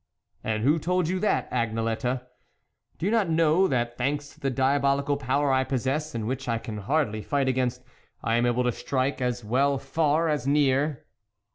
" And who told you that, Agnelette ? do you not know that, thanks to the diabolical power I possess and which I can hardly fight against, I am able to strike as well far as near